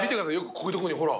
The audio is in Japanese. こういうとこにほら。